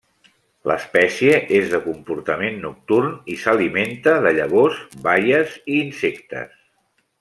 L'espècie és de comportament nocturn i s'alimenta de llavors, baies i insectes.